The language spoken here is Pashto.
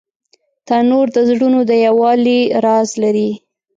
تنور د زړونو د یووالي راز لري